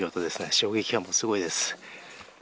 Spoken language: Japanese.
衝撃波もすごいです。